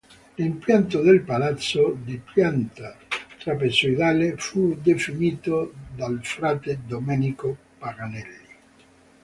L'impianto del palazzo, di pianta trapezoidale, fu definito dal frate Domenico Paganelli.